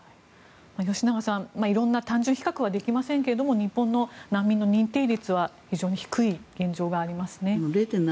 吉永さん色んな単純比較はできませんが日本の難民の認定率は非常に低い現実がありますね。